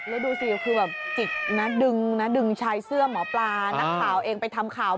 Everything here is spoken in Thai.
แล้วดูสิคือแบบจิกนะดึงนะดึงชายเสื้อหมอปลานักข่าวเองไปทำข่าว